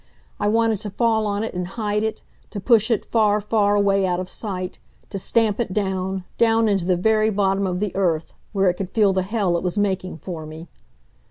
I wanted to fall on it and hide it; to push it far, far away out of sight; to stamp it down down into the very bottom of the earth, where it could feel the hell it was making for me.